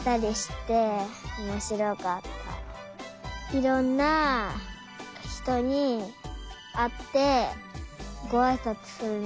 いろんなひとにあってごあいさつするのがたのしそう。